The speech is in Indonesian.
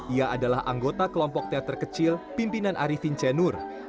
ia adalah anggota kelompok teater kecil pimpinan arifin cenur